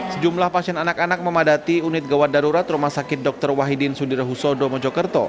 sejumlah pasien anak anak memadati unit gawat darurat rumah sakit dr wahidin sudirohusodo mojokerto